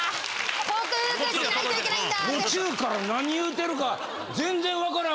克服しないといけないんだ。